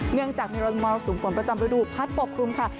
เนื่องจากมีรวมมอลสูงฝนประจำฤดูภาษณ์ปกครุมค่ะ